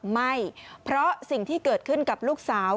ไม่เพราะสิ่งที่เกิดขึ้นกับลูกสาว